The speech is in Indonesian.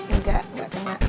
enggak gak kena